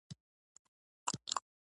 د جوار دانه د انرژي لپاره وکاروئ